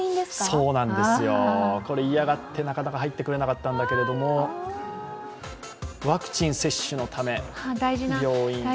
そうなんですよ、嫌がってなかなか入ってくれなかったんだけれども、ワクチン接種のため、病院に。